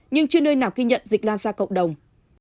nhưng chưa nơi nào ghi nhận dịch lan ra cộng đồng